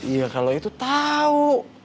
ya kalau itu tahu